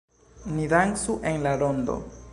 Ni dancu en la rondo.